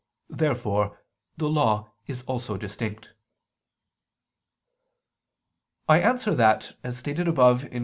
Therefore the Law is also distinct. I answer that, As stated above (Q.